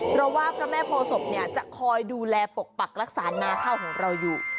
เพราะว่าพระแม่โพศพจะคอยดูแลปกปักรักษานาข้าวของเราอยู่